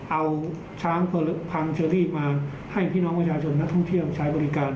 เอาช้างพังเชอรี่มาให้พี่น้องประชาชนนักท่องเที่ยวใช้บริการ